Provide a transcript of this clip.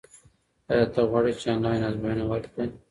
ایا ته غواړې چې آنلاین ازموینه ورکړې؟